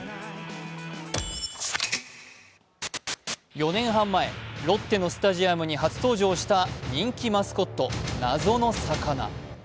４年半前、ロッテのスタジアムに初登場した人気マスコット、謎の魚。